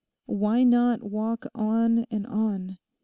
Why not walk on and on?